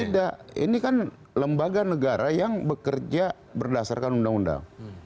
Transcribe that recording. tidak ini kan lembaga negara yang bekerja berdasarkan undang undang